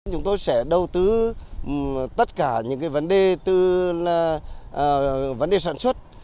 chúng tôi sẽ đầu tư tất cả những vấn đề từ vấn đề sản xuất